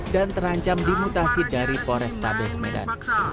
dan terancam dimutasi dari polrestables medan